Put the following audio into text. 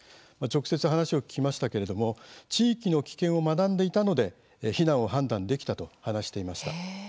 直接、話を聞きましたけれども地域の危険を学んでいたので避難を判断できたと話していました。